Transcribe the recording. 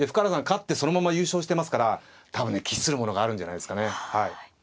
勝ってそのまま優勝してますから多分ね期するものがあるんじゃないですかね。